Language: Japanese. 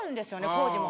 工事も。